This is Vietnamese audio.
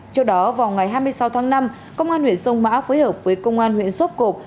trong đó vào ngày hai mươi sáu tháng năm công an huyện sông má phối hợp với công an huyện sốt cột